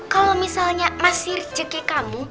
kalau misalnya masih rejeki kamu